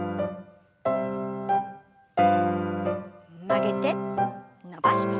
曲げて伸ばして。